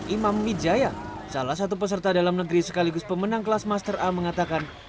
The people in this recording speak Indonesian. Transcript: imam wijaya salah satu peserta dalam negeri sekaligus pemenang kelas master a mengatakan